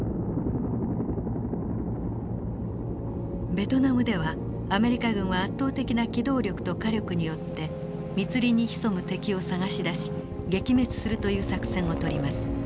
ベトナムではアメリカ軍は圧倒的な機動力と火力によって密林に潜む敵を捜し出し撃滅するという作戦をとります。